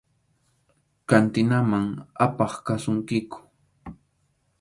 Kantinaman apaq kasunkiku.